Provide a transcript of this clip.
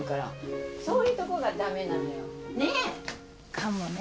かもね。